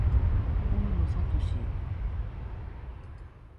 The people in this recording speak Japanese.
大野智